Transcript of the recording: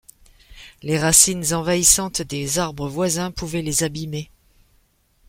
Les racines envahissantes des arbres voisins pouvaient les abîmer.